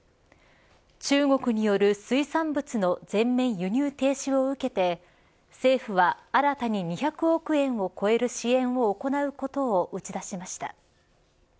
中国による水産物の全面輸入停止を受けて政府は、新たに２００億円を超える支援を行うことを打ち出しました。